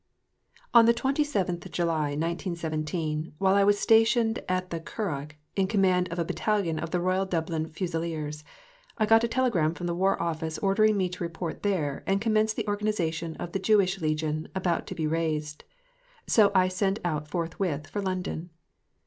On the 27th July, 1917, while I was stationed at the Curragh in command of a Battalion of the Royal Dublin Fusiliers, I got a telegram from the War Office ordering me to report there and commence the organization of the Jewish Legion about to be raised, so I set out forthwith for London.